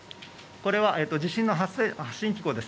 これは地震の発震機構です。